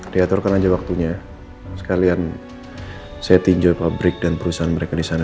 diaturkan aja waktunya sekalian saya tinjau pabrik dan perusahaan mereka di sana